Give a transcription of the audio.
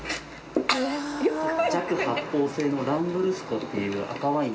弱発泡性のランブルスコっていう赤ワイン。